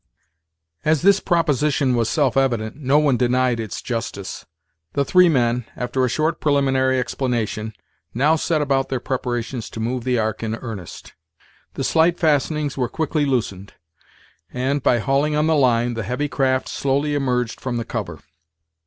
As this proposition was self evident, no one denied its justice. The three men, after a short preliminary explanation, now set about their preparations to move the ark in earnest. The slight fastenings were quickly loosened; and, by hauling on the line, the heavy craft slowly emerged from the cover.